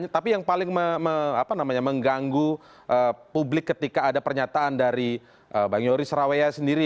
tapi yang paling mengganggu publik ketika ada pernyataan dari bang yoris raweya sendiri